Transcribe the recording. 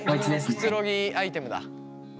くつろぎアイテムだ。